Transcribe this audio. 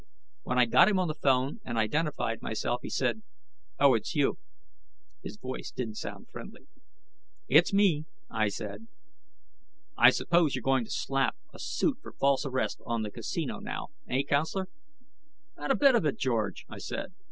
When I got him on the phone and identified myself, he said, "Oh. It's you." His voice didn't sound friendly. "It's me," I said. "I suppose you're going to slap a suit for false arrest on the Casino now, eh, counselor?" "Not a bit of it, George," I said.